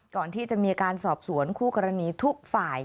ก่อนที่จะมีการสอบสวนคู่กรณีทุกฝ่าย